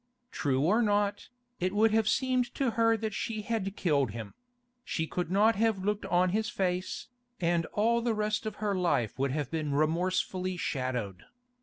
True or not, it would have seemed to her that she had killed him; she could not have looked on his face, and all the rest of her life would have been remorsefully shadowed.